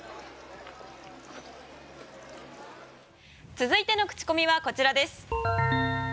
続いてのクチコミはこちらです。